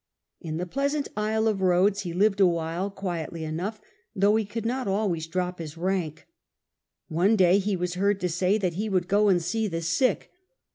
In the pleasant isle of Rhodes he lived awhile, quietly enough, though he could not always drop his rank. One day he was heard to say that he would go and see the sick.